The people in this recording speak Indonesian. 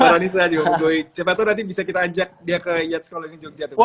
paranisa juga siapa tahu nanti bisa kita ajak dia ke yats kalau ini jogja tuh mas